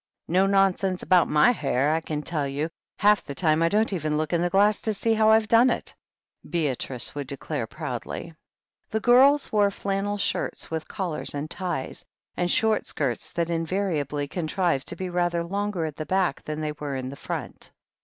"No nonsense about my hair, I can tell you. Half the time I don't even look in the glass to see how I've done it," Beatrice would declare proudly. 54 THE HEEL OF ACHILLES The girls wore flannel shirts, with collars and ties, and short skirts that invariably contrived to be rather longer at the back than they were in the front.